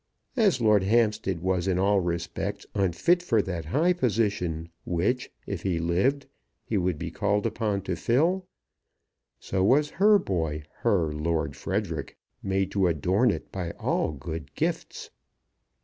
As Lord Hampstead was in all respects unfit for that high position which, if he lived, he would be called upon to fill, so was her boy, her Lord Frederic, made to adorn it by all good gifts.